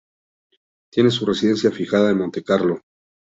Tiene su residencia fijada en Montecarlo.